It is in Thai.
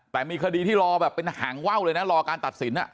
แต่มีคดีที่รอแบบเป็นหางว่าวเลยนะรอการตัดสิน